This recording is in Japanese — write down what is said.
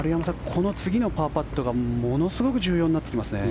この次のパーパットがものすごく重要になってきますね。